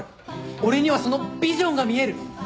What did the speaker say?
俺にはそのビジョンが見える。